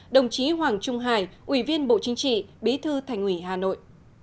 đồng chí hoàng trung hải ủy viên bộ chính trị bí thư thành ủy hà nội